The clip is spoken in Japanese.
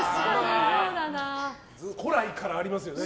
古来からありますよね